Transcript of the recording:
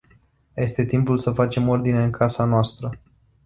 Este timpul să facem ordine în casa noastră.